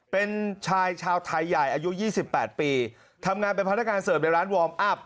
เป็นชายชาวไทยใหญ่อายุ๒๘ปีทำงานเป็นพนักงานเสิร์ฟในร้านวอร์มอัพ